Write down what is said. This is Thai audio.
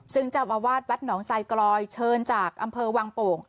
ซึ่งเจ้าอาวาสวัดหนองไซกลอยเชิญจากอำเภอวังโป่ง